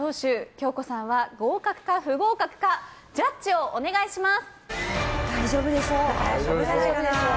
京子さんは合格か不合格かジャッジをお願いします。